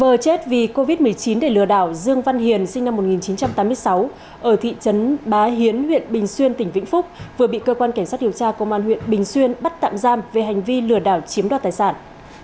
cơ chết vì covid một mươi chín để lừa đảo dương văn hiền sinh năm một nghìn chín trăm tám mươi sáu ở thị trấn bá hiến huyện bình xuyên tỉnh vĩnh phúc vừa bị cơ quan cảnh sát điều tra công an huyện bình xuyên bắt tạm giam về hành vi lừa đảo chiếm đoạt tài sản